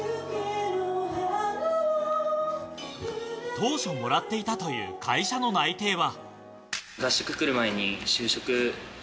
当初もらっていたという会社の内定は。